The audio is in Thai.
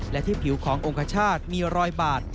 และที่ผิวขององคชาติมีรอยบาด